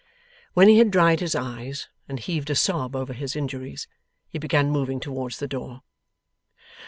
When he had dried his eyes and heaved a sob over his injuries, he began moving towards the door.